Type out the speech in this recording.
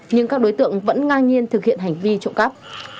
nhưng các đối tượng vẫn ngang nhiên thực hiện hành vi trộm cắp